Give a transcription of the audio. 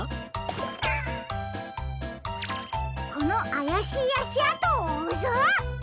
このあやしいあしあとをおうぞ！